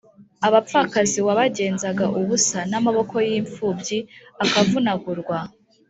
abapfakazi wabagenzaga ubusa, n’amaboko y’impfubyi akavunagurwa